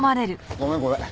ごめんごめん。